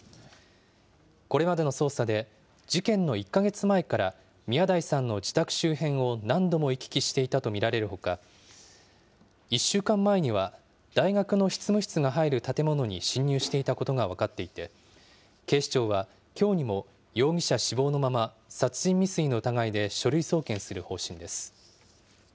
これまでの捜査で、事件の１か月前から、宮台さんの自宅周辺を何度も行き来していたと見られるほか、１週間前には、大学の執務室が入る建物に侵入していたことが分かっていて、警視庁は、きょうにも容疑者死亡のまま、殺人未遂の疑いで書類送検する方針です。